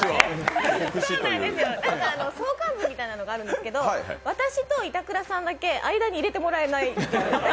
相関図みたいなのがあるんですけど、私と板倉さんだけ間に入れてもらえない。